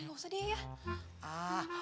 udah nggak usah deh ya